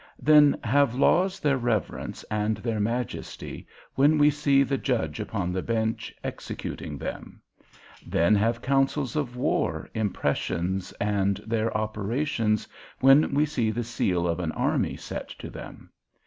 Then have laws their reverence and their majesty, when we see the judge upon the bench executing them. Then have counsels of war their impressions and their operations, when we see the seal of an army set to them.